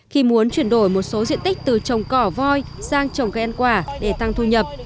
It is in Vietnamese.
khi muốn chuyển đổi một số diện tích từ trồng cỏ voi sang trồng cây ăn quả để tăng thu nhập